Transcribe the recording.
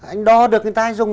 anh đo được người ta dùng